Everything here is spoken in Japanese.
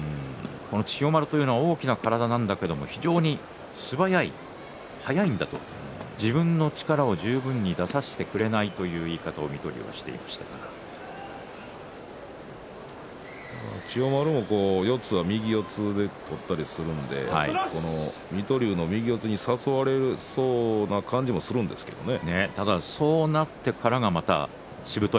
千代丸というのは大きな体なんだけれども非常に素早い、速いんだと自分の力を十分に出させてくれないという言い方を千代丸も四つは右四つで取ったりするので水戸龍の右四つに差されそうな感じがするんですけれどもね。